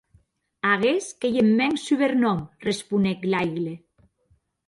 Aguest qu’ei eth mèn subernòm, responec Laigle.